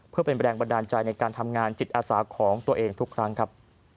เพื่อเป็นแรงบันดาลใจในการทำงานจิตอาสาของตัวเองทุกครั้งครับ